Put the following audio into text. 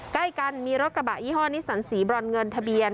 ใกล้กันมีรถกระบะยี่ห้อนิสันสีบรอนเงินทะเบียน